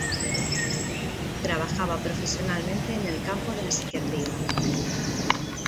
Trabajaba profesionalmente en el campo de la psiquiatría.